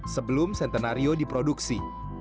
sebelum centenario diproduksi